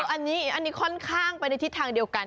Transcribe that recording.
อันนี้ค่อนข้างไปในทิศทางเดียวกัน